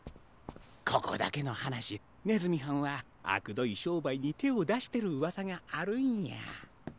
ここだけのはなしねずみはんはあくどいしょうばいにてをだしてるうわさがあるんや。